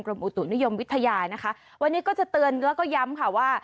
อุตุนิยมวิทยานะคะวันนี้ก็จะเตือนแล้วก็ย้ำค่ะว่า